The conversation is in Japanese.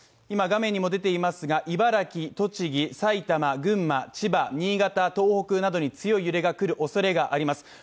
今、画面にも出ていますが、茨城、栃木、埼玉、群馬千葉、新潟、東北などに強い揺れが来るおそれがあります。